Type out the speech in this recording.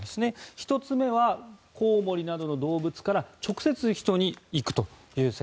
１つ目はコウモリなどの動物から直接人に行くという説。